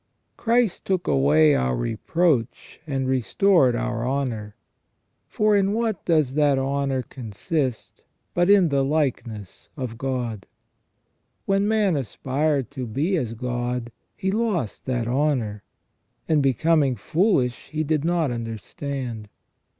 Christ took away our reproach and restored our honour. For in what does that honour consist but in the likeness of God ? When man aspired to be as God, he lost that honour, and, becoming foolish, he did not understand.